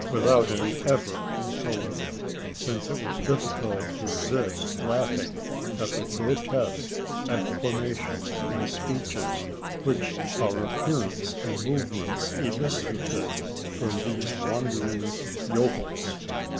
Not without an effort, however: since it was difficult to resist laughing at the grotesque exclamations and speeches, which our appearance and movements elicited from these wondering yokels.